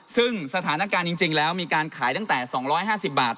ซึ่งสถานการณ์จริงจริงแล้วมีการขายตั้งแต่สองร้อยห้าสิบบาท